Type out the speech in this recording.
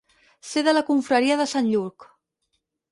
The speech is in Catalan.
Ser de la confraria de sant Lluc.